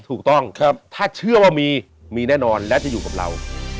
ถูกต้องถ้าเชื่อว่ามีมีแน่นอนและจะอยู่กับเรา